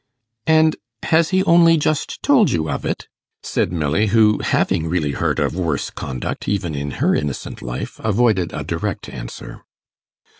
'And has he only just told you of it?' said Milly, who, having really heard of worse conduct, even in her innocent life, avoided a direct answer.